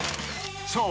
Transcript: ［そう。